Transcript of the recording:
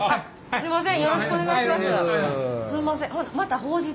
すいません。